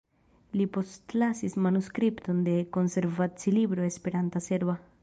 Li postlasis manuskripton de konversaci-libro Esperanta-serba.